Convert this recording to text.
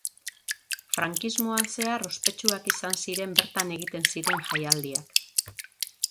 Frankismoan zehar ospetsuak izan ziren bertan egiten ziren jaialdiak.